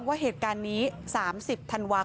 กลับมารับทราบ